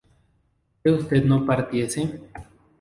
¿que usted no partiese?